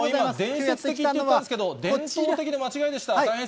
伝説的って言ったんですけど、伝統的の間違いでした。